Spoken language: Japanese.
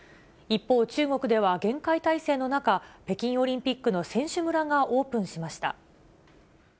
一方、中国では厳戒態勢の中、北京オリンピックの選手村がオープンしました。